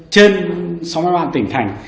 trên sáu mươi ba tỉnh thành